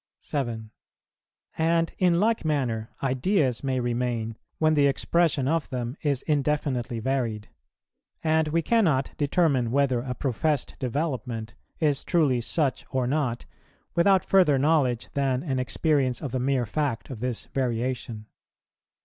7. And, in like manner, ideas may remain, when the expression of them is indefinitely varied; and we cannot determine whether a professed development is truly such or not, without further knowledge than an experience of the mere fact of this variation.